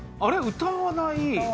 歌わない。